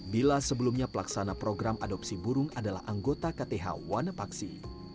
bila sebelumnya pelaksana program adopsi burung adalah anggota kth wanapaksi